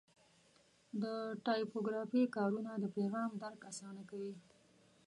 د ټایپوګرافي کارونه د پیغام درک اسانه کوي.